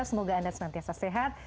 semoga anda semantiasa sehat